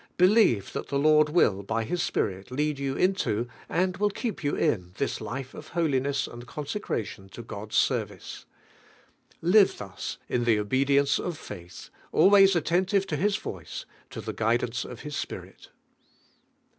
Relieve that the Lord will by nis Spirit lead you into, and keep you in this life of holiness and of cimsccrai ion lo God's service. Live lims in the obedience of faith, always atten tive to His voice, and the guidance of His Spirit.